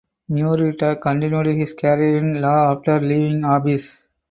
Murrieta continued his career in law after leaving office.